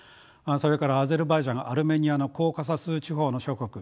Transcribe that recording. それからアゼルバイジャンアルメニアのコーカサス地方の諸国